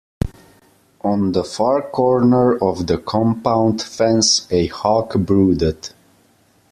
On the far corner of the compound fence a hawk brooded.